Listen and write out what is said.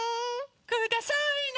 くださいな！